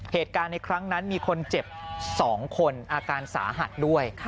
เหตุการณ์ในครั้งนั้นมีคนเจ็บ๒คนอาการสาหัสด้วย